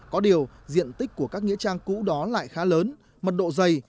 có điều diện tích của các nghĩa trang cũ đó lại khá lớn mật độ dày